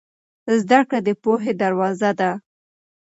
زده کړه د پوهې دروازه ده.